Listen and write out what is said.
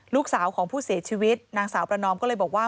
ลูกสาวของผู้เสียชีวิตนางสาวประนอมก็เลยบอกว่า